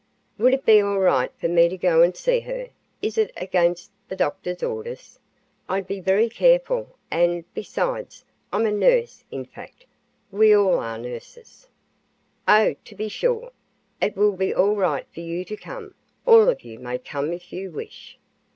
"Would it be all right for me to go and see her is it against the doctor's orders? I'd be very careful; and, besides, I'm a nurse in fact, we all are nurses." "Oh, to be sure it will be all right for you to come all of you may come if you wish.